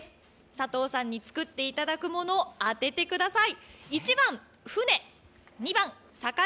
佐藤さんに作っていただくもの当ててください。